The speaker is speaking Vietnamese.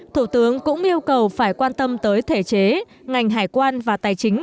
thủ tướng cũng yêu cầu phải quan tâm tới thể chế ngành hải quan và tài chính